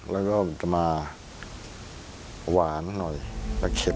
แล้วก็จะมาหวานหน่อยและเข็ม